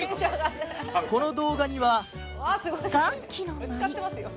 この動画には